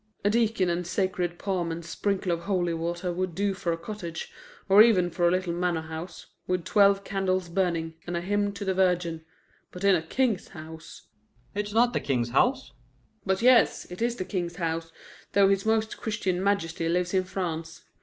"A deacon and sacred palm and sprinkle of holy water would do for a cottage, or even for a little manor house, with twelve candles burning, and a hymn to the Virgin. But in a king's house " "It's not the King's house." "But yes, it is the King's house, though his Most Christian Majesty lives in France.